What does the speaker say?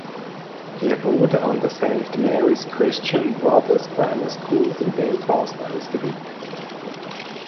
Er wurde an der St Mary’s Christian Brothers’ Grammar School in Belfast ausgebildet.